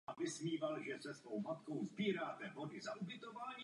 Největším přítokem německé části toku je Černá voda.